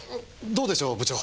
どうでしょう部長。